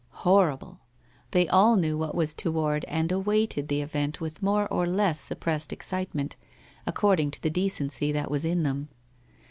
Horrible ! They all knew what was toward and awaited the event with more or less suppressed excitement, accord ing to the decency that was in them.